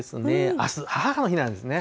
あす、母の日なんですね。